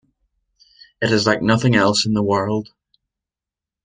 It is like nothing else in the world.